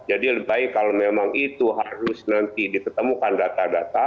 jadi lebih baik kalau memang itu harus nanti ditemukan data data